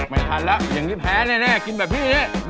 ไม่ทันแล้วอย่างนี้แพ้แน่กินแบบนี้